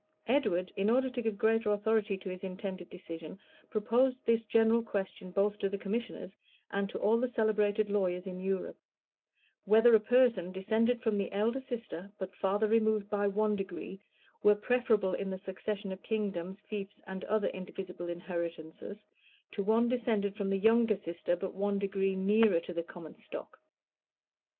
Edward, in order to give greater authority to his intended decision, proposed this general question both to the commissioners and to all the celebrated lawyers in Europe, "Whether a person descended from the elder sister, but farther removed by one degree, were preferable, in the succession of kingdoms, fiefs, and other indivisible inheritances, to one descended from the younger sister, but one degree nearer to the common stock?"